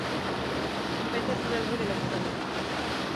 Bete zure helbide elektronikoa.